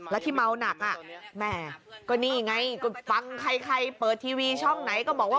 แล้วที่เมาหนักอ่ะแม่ก็นี่ไงก็ฟังใครเปิดทีวีช่องไหนก็บอกว่า